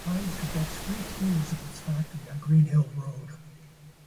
Haigh's conducts free tours of its factory on Greenhill Road.